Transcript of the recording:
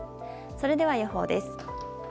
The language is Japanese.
それでは予報です。